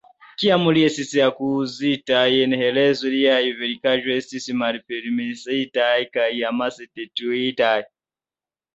Kiam li estis akuzita je herezo, liaj verkaĵoj estis malpermesitaj kaj amase detruitaj.